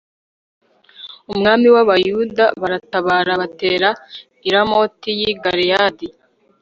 umwami wAbayuda baratabara batera i Ramoti yi Galeyadi